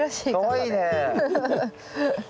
かわいいね。